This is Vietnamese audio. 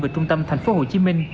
về trung tâm tp hcm